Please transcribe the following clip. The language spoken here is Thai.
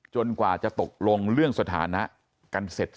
จนกว่าจะตกลงเรื่องสถานการณ์เสร็จสิ้น